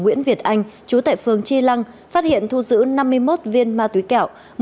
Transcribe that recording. nguyễn việt anh chú tại phường chi lăng phát hiện thu giữ năm mươi một viên ma túy kẹo